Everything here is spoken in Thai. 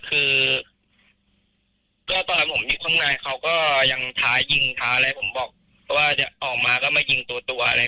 เกือบตอนผมกิจข้างในเขาก็ยังทายิงทาอะไรผมบอกว่าจะออกมาก็ไม่ยิงตัวตัวอะไร